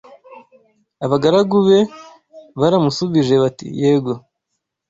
Abagaragu be baramushubije bati yego